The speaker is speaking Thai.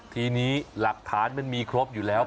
ทีนี้หลักฐานมันมีครบอยู่แล้ว